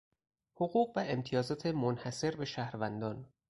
حقوق و امتیازات منحصر به شهروندان